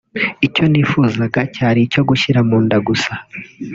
icyo nifuzaga cyari icyo gushyira munda gusa”